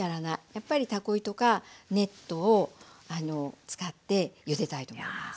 やっぱりたこ糸かネットを使ってゆでたいと思います。